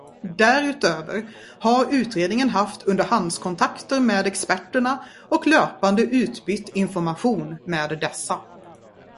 Därutöver har utredningen haft underhandskontakter med experterna och löpande utbytt information med dessa.